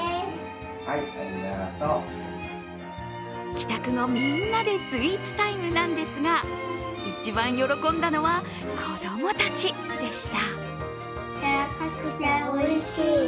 帰宅後、みんなでスイーツタイムなんですが、一番喜んだのは子供たちでした。